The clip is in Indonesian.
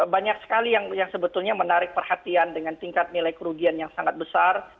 banyak sekali yang sebetulnya menarik perhatian dengan tingkat nilai kerugian yang sangat besar